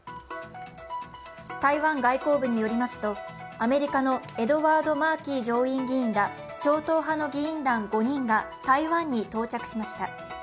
台湾外交部によりますとアメリカのエドワード・マーキー上院議員ら超党派の議員団５人が台湾に到着しました。